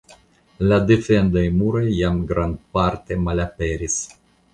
La defendaj muroj jam grandparte malaperis.